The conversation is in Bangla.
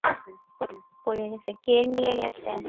কে নিয়ে গেছে?